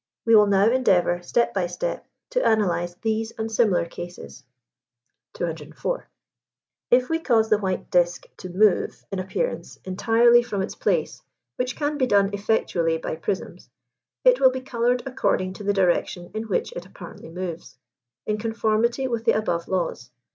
We will now endeavour, step by step, to analyse these and similar cases. 204. If we cause the white disk to move, in appearance, entirely from its place, which can be done effectually by prisms, it will be coloured according to the direction in which it apparently moves, in conformity with the above laws.